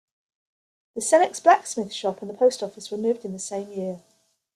The Senex blacksmith shop and the post office were moved in the same year.